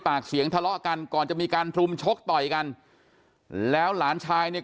ปากเสียงทะเลาะกันก่อนจะมีการรุมชกต่อยกันแล้วหลานชายเนี่ย